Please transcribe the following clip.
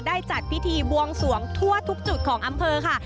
จัดพิธีบวงสวงทั่วทุกจุดของอำเภอค่ะ